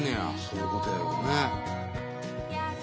そういうことやろね。